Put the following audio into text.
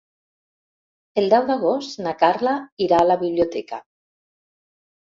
El deu d'agost na Carla irà a la biblioteca.